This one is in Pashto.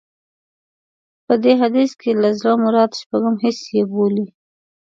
په دې حديث کې له زړه مراد شپږم حس يې بولي.